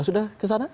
sudah ke sana